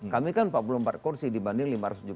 kami kan empat puluh empat kursi dibanding